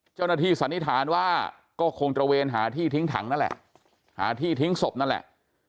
สันนิษฐานว่าก็คงตระเวนหาที่ทิ้งถังนั่นแหละหาที่ทิ้งศพนั่นแหละ